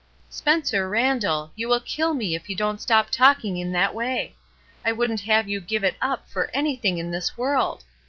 " Spencer Randall, you will kill me if you don't stop talking in that way. I wouldn't have you give it up for anything in this world!